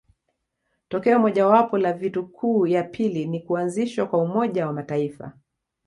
Tokeo mojawapo la vita kuu ya pili ni kuanzishwa kwa Umoja wa mataifa